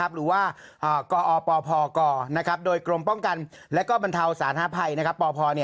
หรือว่ากอปพกโดยกรมป้องกันและบรรเทาสาธาภัยปพ